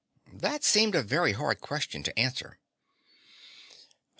That seemed a very hard question to answer.